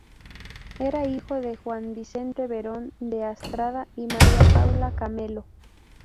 Era hijo de Juan Vicente Berón de Astrada y María Paula Camelo.